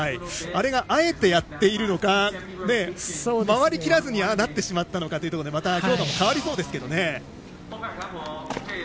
あれが、あえてやっているのか回りきらずにああなってしまったのかというところでまた評価も変わりそうですけどね。